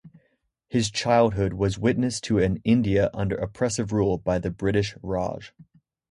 His childhood was witness to an India under oppressive rule by the British Raj.